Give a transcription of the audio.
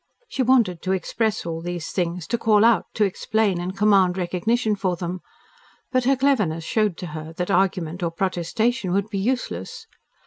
She wanted to express all these things, to call out, to explain, and command recognition for them. But her cleverness showed to her that argument or protestation would be useless.